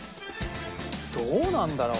どうなんだろう？